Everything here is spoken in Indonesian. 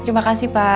terima kasih pak